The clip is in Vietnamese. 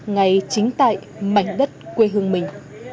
ngay chính tại mảnh đất quê hương mình